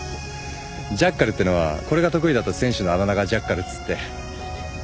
ジャッカルってのはこれが得意だった選手のあだ名がジャッカルっつって。